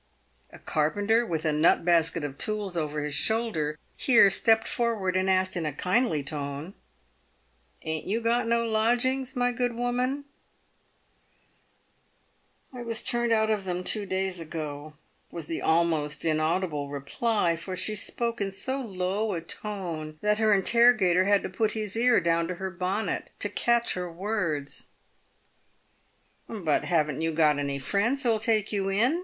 A carpenter, with a. nut basket of tools over his shoulder, here stepped forward, and asked, in a kindly tone, " Ain't you got no lodgings, my good woman ?"" I was turned out of them two days ago," was the almost inaudible reply, for she spoke in so low a tone that her interrogator had to put his ear down to her bonnet to catch her words. PAVED WITH GOLD. "But haven't you got any friends who'll take you in